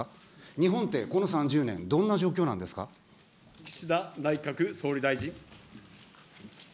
日本ってこの３０年、どんな状況岸田内閣総理大臣。